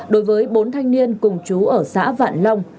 đối với bốn thanh niên cùng chú ở xã vạn long